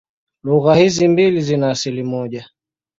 Lugha hizi mbili zina asili moja.